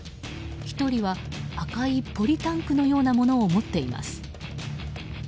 １人は赤いポリタンクのようなものを持っています。